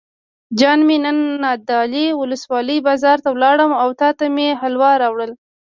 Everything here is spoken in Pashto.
جان مې نن نادعلي ولسوالۍ بازار ته لاړم او تاته مې حلوا راوړل.